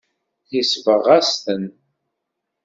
Yesbeɣ-as-ten.